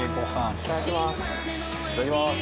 いただきます。